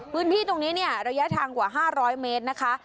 พื้นที่ตรงนี้เนี่ยระยะทางกว่า๕๐๐เมตรนะคะ